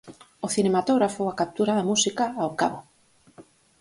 O cinematógrafo á captura da música, ao cabo.